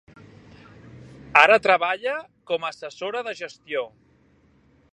Ara treballa com a assessora de gestió.